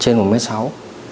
phải do đối tượng thuận tay phải